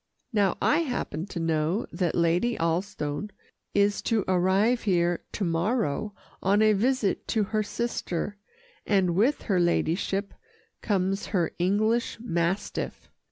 Now I happen to know that Lady Alstone is to arrive here to morrow on a visit to her sister, and with her ladyship comes her English mastiff.